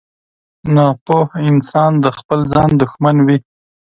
• ناپوه انسان د خپل ځان دښمن وي.